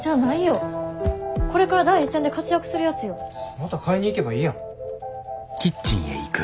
また買いに行けばいいやん。